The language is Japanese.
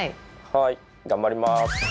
はい頑張ります。